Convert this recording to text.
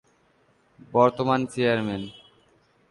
বর্তমান চেয়ারম্যান-